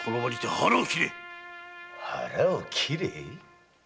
腹を切れ？